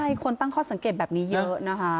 ใช่คนตั้งข้อสังเกตแบบนี้เยอะนะคะ